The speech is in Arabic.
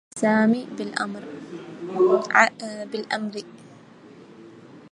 علم سامي بالأمر.